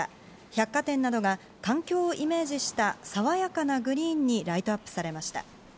百貨店などが環境をイメージした爽やかなグリーンにライトアップされました。